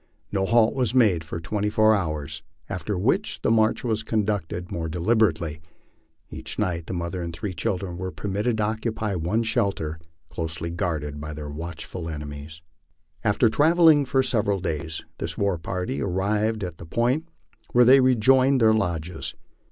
No halt was made for twenty four hours, after which the march was conducted more deliberately. Each night the mother and three children were permitted to occupy one shelter, closely guarded by their watchful ene mies. After travelling for several days this war party arrived at the point where they rejoined their lodges.